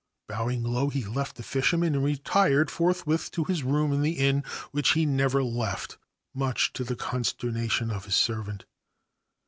Bowing low, he left the fisherman and retired forth with to his room in the inn, which he never left, much to the consternation of his servant.